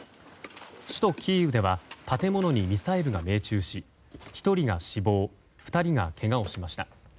首都キーウでは建物にミサイルが命中し１人が死亡２人がけがをしました。